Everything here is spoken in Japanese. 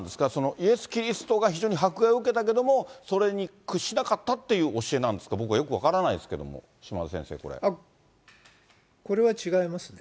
イエス・キリストが非常に迫害を受けたけれども、それに屈しなかったっていう教えなんですか、僕はよく分からないですけども、これは違いますね。